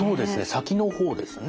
先の方ですね。